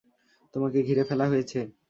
তোমাকে ঘিরে ফেলা হয়েছে।